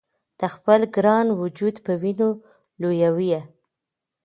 د خپل ګران وجود په وینو لویوي یې